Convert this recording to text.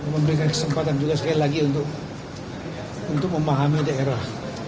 memberikan kesempatan juga sekali lagi untuk memahami daerah